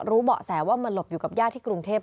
รู้เบาะแสว่ามันหลบอยู่กับย่าที่กรุงเทพฯ